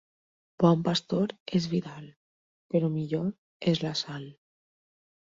Bon pastor és Vidal, però millor és la sal.